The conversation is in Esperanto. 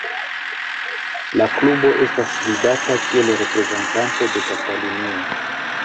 La klubo estas vidata kiel reprezentanto de Katalunio.